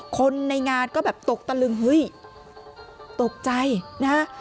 คนในงานก็แบบตกตะลึงเฮ้ยตกใจนะฮะ